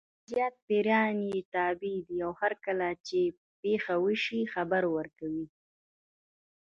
زیات پیریان یې تابع دي او هرکله چې پېښه وشي خبر ورکوي.